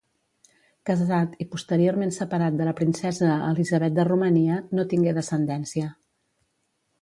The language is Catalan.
Casat i posteriorment separat de la princesa Elisabet de Romania, no tingué descendència.